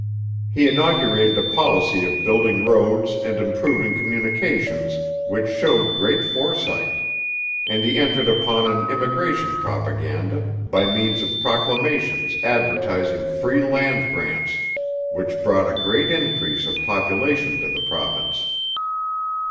He inaugurated a policy of building roads and improving communications which showed great foresight; and he entered upon an immigration propaganda, by means of proclamations advertising free land grants, which brought a great increase of population to the province.